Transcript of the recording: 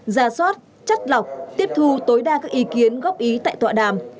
ra soát chất lọc tiếp thu tối đa các ý kiến góp ý tại tọa đàm